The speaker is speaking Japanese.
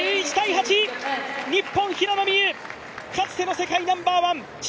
日本、平野美宇、かつての世界ナンバーワン・陳